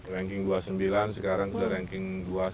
ranking dua puluh sembilan sekarang sudah ranking